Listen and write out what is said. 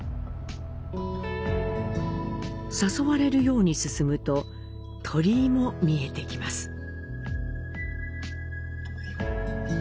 誘われるように進むと鳥居も見えてきます。